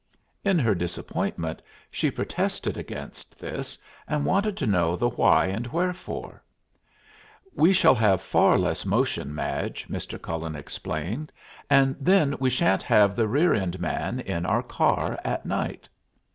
In her disappointment she protested against this, and wanted to know the why and wherefore. "We shall have far less motion, Madge," Mr. Cullen explained, "and then we sha'n't have the rear end man in our car at night."